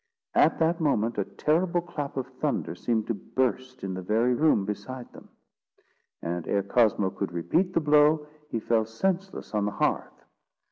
At that moment, a terrible clap of thunder seemed to burst in the very room beside them; and ere Cosmo could repeat the blow, he fell senseless on the hearth.